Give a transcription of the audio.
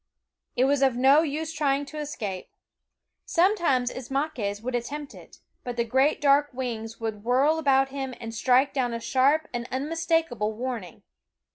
It was of no use trying to escape. Sometimes Ismaques would attempt it, but the great dark wings would whirl around an d strike down a sharp and THE WOODS unmistakable warning.